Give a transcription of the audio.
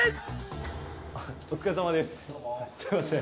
すいません。